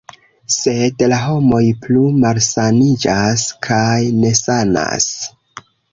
Sed la homoj plu malsaniĝas kaj nesanas.